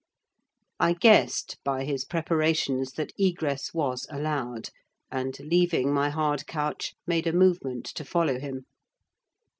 I guessed, by his preparations, that egress was allowed, and, leaving my hard couch, made a movement to follow him.